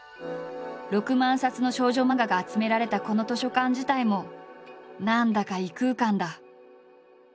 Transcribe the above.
６万冊の少女漫画が集められたこの図書館自体も何だか異空間だ。